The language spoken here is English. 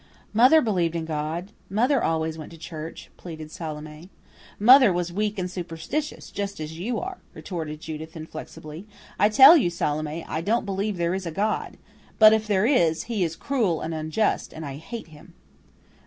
"Mother believed in God; mother always went to church," pleaded Salome. "Mother was weak and superstitious, just as you are," retorted Judith inflexibly. "I tell you, Salome, I don't believe there is a God. But, if there is, He is cruel and unjust, and I hate Him."